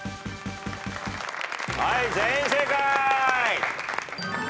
はい全員正解。